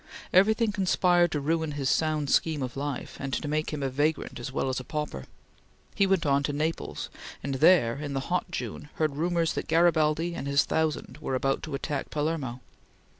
Everything conspired to ruin his sound scheme of life, and to make him a vagrant as well as pauper. He went on to Naples, and there, in the hot June, heard rumors that Garibaldi and his thousand were about to attack Palermo.